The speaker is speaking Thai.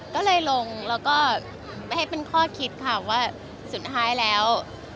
ก็เลยลงแล้วก็ไม่ให้เป็นข้อคิดค่ะว่าสุดท้ายแล้ว